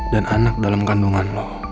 dan anak dalam kandungan lo